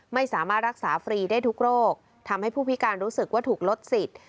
ไม่สามารถรักษาฟรีได้ทุกโรคทำให้ผู้พิการรู้สึกว่าถูกลดสิทธิ